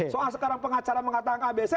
soal sekarang pengacara mengatakan abc